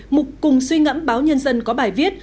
mục cùng suy ngẫm báo nhân dân có bài viết